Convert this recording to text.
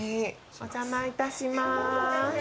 お邪魔いたします。